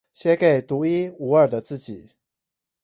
寫給獨一無二的自己